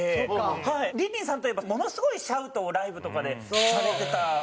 リンリンさんといえばものすごいシャウトをライブとかでされてたので。